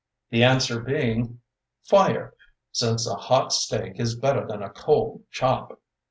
the answer being: "Fire, since a hot steak is better than a cold chop".